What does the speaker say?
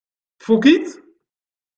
Tfukk-itt?